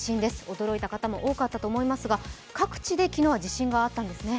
驚いた方も多かったと思いますが、各地で昨日は地震があったんですね。